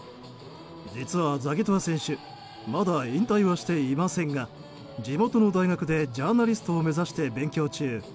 実は、ザギトワ選手まだ引退はしていませんが地元の大学でジャーナリストを目指して、勉強中。